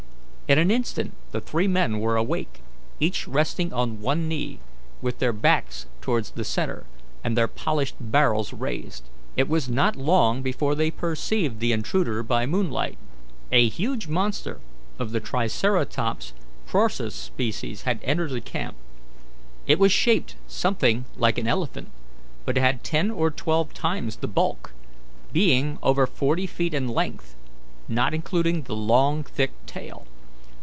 In an instant the three men were awake, each resting on one knee, with their backs towards the centre and their polished barrels raised. It was not long before they perceived the intruder by the moonlight. A huge monster of the Triceratops prorsus species had entered the camp. It was shaped something like an elephant, but had ten or twelve times the bulk, being over forty feet in length, not including the long, thick tail.